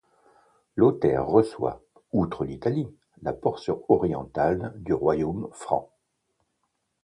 Lothaire reçoit, outre l'Italie, la portion orientale du Royaume franc.